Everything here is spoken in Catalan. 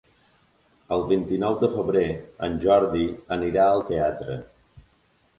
El vint-i-nou de febrer en Jordi anirà al teatre.